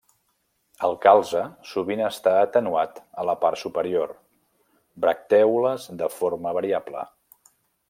El calze sovint està atenuat a la part superior; bractèoles de forma variable.